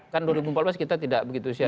kan dua ribu empat belas kita tidak begitu siap